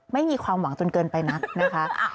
ไม่มีความหวังจนเกินไปนักนะคะ